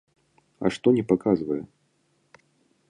А што не паказвае?